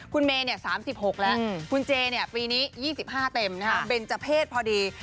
คุณเมย์๓๖แล้วคุณเจปีนี้๒๕เต็มเบนเจอร์เพศพอดี